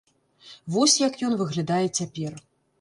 Вось як ён выглядае цяпер.